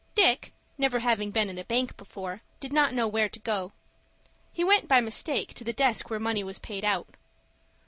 Dick, never having been in a bank before, did not know where to go. He went, by mistake, to the desk where money was paid out.